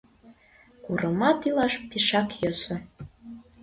Курымат илаш пешак йӧсӧ.